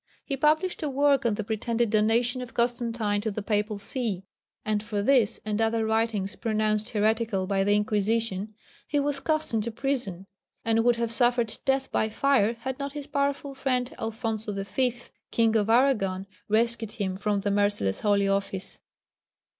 He published a work on the pretended Donation of Constantine to the Papal See, and for this and other writings pronounced heretical by the Inquisition he was cast into prison, and would have suffered death by fire had not his powerful friend Alphonso V., King of Aragon, rescued him from the merciless Holy Office.